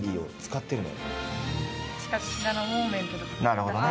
なるほどね。